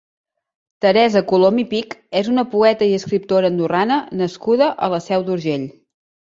Teresa Colom i Pich és una poeta i escriptora andorrana nascuda a la Seu d'Urgell.